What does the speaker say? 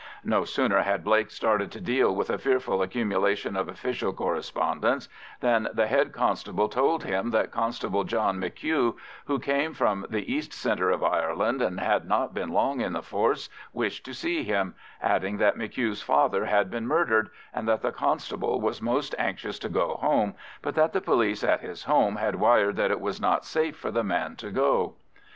No sooner had Blake started to deal with a fearful accumulation of official correspondence than the head constable told him that Constable John M'Hugh, who came from the east centre of Ireland and had not been long in the force, wished to see him—adding that M'Hugh's father had been murdered, and that the constable was most anxious to go home, but that the police at his home had wired that it was not safe for the man to go.